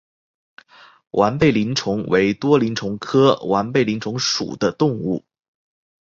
完背鳞虫为多鳞虫科完背鳞虫属的动物。